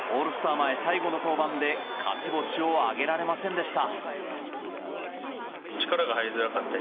前最後の登板で勝ち星を挙げられませんでした。